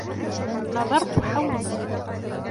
نظرت حولي.